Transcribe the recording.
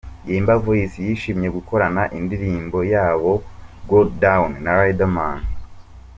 Yemba Voice yishimiye gukorana indirimbo yabo 'Go Down' na Riderman.